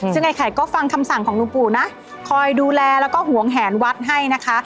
ซึ่งไอ้ไข่ก็ฟังคำสั่งของหลวงปู่นะคอยดูแลแล้วก็หวงแหนวัดให้นะคะ